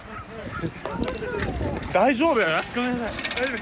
大丈夫？